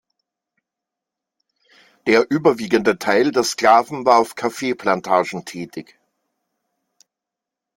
Der überwiegende Teil der Sklaven war auf Kaffeeplantagen tätig.